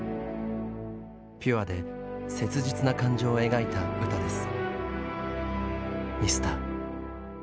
ピュアで切実な感情を描いた歌です。